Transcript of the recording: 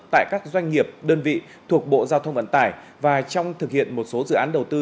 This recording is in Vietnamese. tại các doanh nghiệp đơn vị thuộc bộ giao thông vận tải và trong thực hiện một số dự án đầu tư